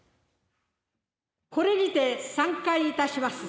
これにて散会いたします。